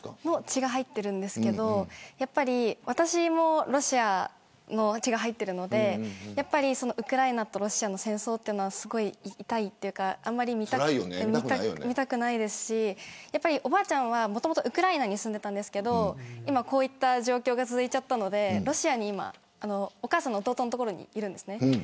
血が入ってるんですけど私もロシアの血が入っているのでウクライナとロシアの戦争はすごい痛いというかあんまり見たくないですしおばあちゃんはもともとウクライナに住んでいたんですけどこういう状況が続いたので今ロシアにお母さんの弟の所にいます。